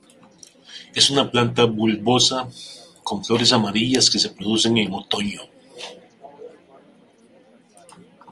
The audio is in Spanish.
Es una planta bulbosa con flores amarillas que se producen en otoño.